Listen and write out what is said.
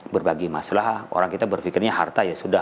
berbagi masalah orang kita berpikirnya harta ya sudah